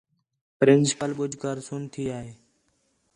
پرنسپل ٻُجھ کر سُن تِھیا ہے